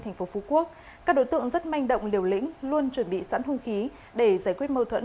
thành phố phú quốc các đối tượng rất manh động liều lĩnh luôn chuẩn bị sẵn hùng khí để giải quyết mâu thuẫn